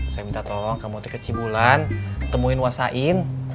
saya minta tolong kamu tiket cibulan temuin wasain